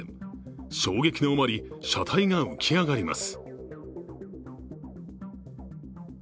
衝撃のあまり、車体が浮き上がります。